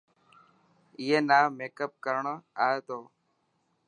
ائي نا ميڪپ ڪرڻ آئي تو.